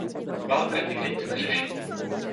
Válka nikdy nic neřeší.